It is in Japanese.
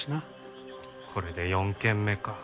これで４軒目か。